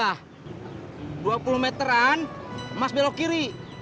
nah dua puluh meteran emas belok kiri